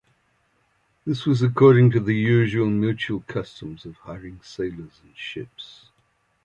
This was according to the usual mutual customs of hiring sailors and ships.